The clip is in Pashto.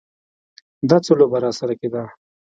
دا څه لوبه راسره کېده.